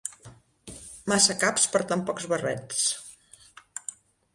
Massa caps per a tan pocs barrets.